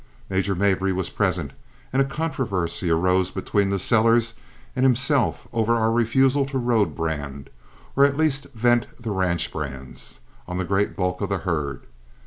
Major Mabry was present, and a controversy arose between the sellers and himself over our refusal to road brand, or at least vent the ranch brands, on the great bulk of the herd.